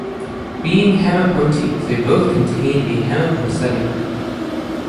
Being hemeproteins, they both contain a heme prosthetic group.